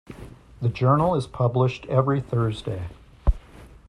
The journal is published every Thursday.